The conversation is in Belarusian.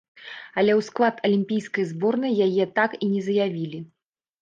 Але ў склад алімпійскай зборнай яе так і не заявілі.